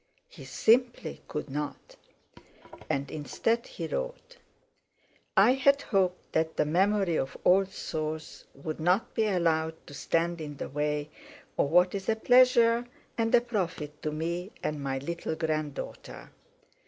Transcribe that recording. He simply could not. And instead, he wrote: "I had hoped that the memory of old sores would not be allowed to stand in the way of what is a pleasure and a profit to me and my little grand daughter.